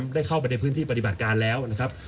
ได้เข้าไปในพื้นที่ปฏิบัติการแล้วนะครับ